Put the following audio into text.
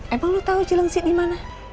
emang lu tau cilengsi dimana